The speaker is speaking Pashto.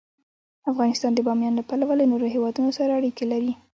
افغانستان د بامیان له پلوه له نورو هېوادونو سره اړیکې لري.